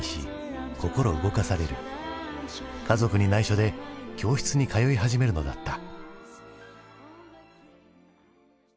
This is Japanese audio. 家族にないしょで教室に通い始めるのだった。